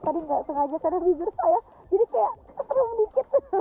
tadi tidak sengaja terkena bibir saya jadi kayak terlalu sedikit